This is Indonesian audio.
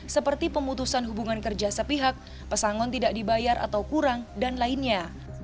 seperti pemutusan hubungan kerja sepihak pesangon tidak dibayar atau kurang dan lainnya